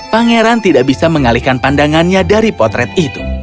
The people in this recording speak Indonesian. pangeran tidak bisa mengalihkan pandangannya dari potret itu